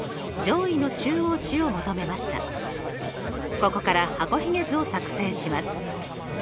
ここから箱ひげ図を作成します。